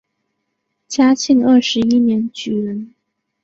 嘉庆二十一年举人。